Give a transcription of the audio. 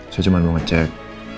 saya cuma mau ngecek